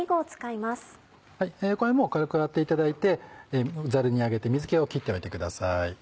米も軽く洗っていただいてざるにあげて水気を切っておいてください。